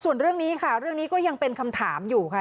ส่วนเรื่องนี้ค่ะเรื่องนี้ก็ยังเป็นคำถามอยู่ค่ะ